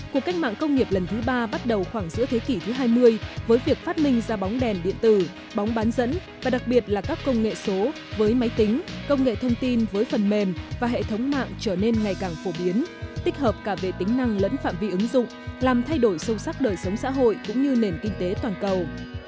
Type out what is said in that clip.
cuộc cách mạng công nghiệp lần thứ ba bắt đầu khoảng giữa thế kỷ thứ hai mươi với việc phát minh ra bóng đèn điện tử bóng bán dẫn và đặc biệt là các công nghệ số với máy tính công nghệ thông tin với phần mềm và hệ thống mạng trở nên ngày càng phổ biến tích hợp cả về tính năng lẫn phạm vi ứng dụng làm thay đổi sâu sắc đời sống xã hội cũng như nền kinh tế toàn cầu